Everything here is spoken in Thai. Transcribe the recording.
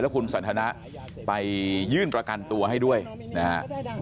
คุณสันทนะไปยื่นประกันตัวให้ด้วยนะฮะ